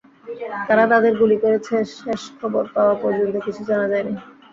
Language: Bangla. কারা তাঁদের গুলি করেছে শেষ খবর পাওয়া পর্যন্ত কিছু জানা যায়নি।